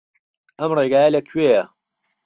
ئەم ڕێگایە لەکوێیە؟